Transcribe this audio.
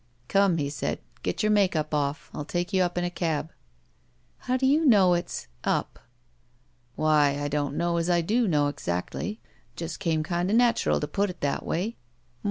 "Come," he said, "get your make up oflf. I'll take you up in a cab." "How do you know it's — ^up?" "Why, I don't know as I do know exactly. Just came kind of natural to put it that way.